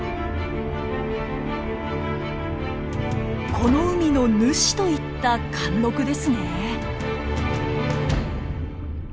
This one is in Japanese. この海の主といった貫禄ですね。